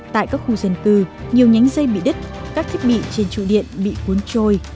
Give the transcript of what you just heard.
tại các khu dân cư nhiều nhánh dây bị đứt các thiết bị trên trụ điện bị cuốn trôi